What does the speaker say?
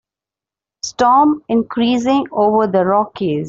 Storm increasing over the Rockies.